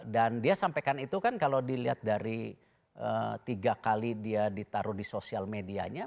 dan dia sampaikan itu kan kalau dilihat dari tiga kali dia ditaruh di sosial medianya